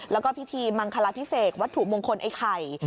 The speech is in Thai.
แล้วก็พิธีมังคลาพิเศษวัตถุมงคลไอ้ไข่